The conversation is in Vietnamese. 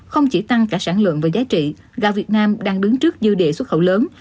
không chỉ tăng cả sản lượng và giá trị gạo việt nam đang đứng trước dư địa xuất khẩu lớn